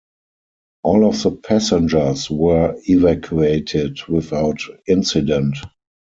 All of the passengers were evacuated without incident.